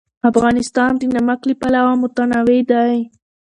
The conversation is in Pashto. افغانستان د نمک له پلوه متنوع دی.